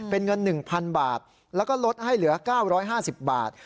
เป็นเงิน๑๐๐๐บาทแล้วก็ลดให้เหลือ๙๕๐บาท